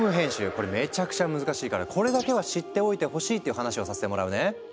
これめちゃくちゃ難しいからこれだけは知っておいてほしいっていう話をさせてもらうね。